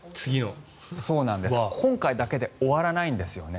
今回だけで終わらないんですよね。